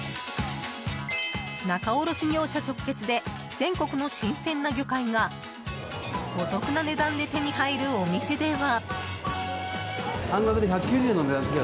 仲卸業者直結で全国の新鮮な魚介がお得な値段で手に入るお店では。